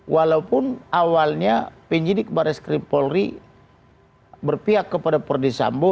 walaupun awalnya penyidik barai skripal ri berpihak kepada ferdisabu